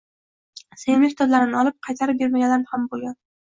Sevimli kitoblarimni olib, qaytarib bermaganlar ham bo`lgan